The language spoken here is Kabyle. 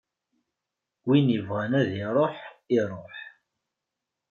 Win yebɣan ad iṛuḥ, iṛuḥ.